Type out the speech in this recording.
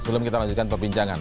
sebelum kita lanjutkan perbincangan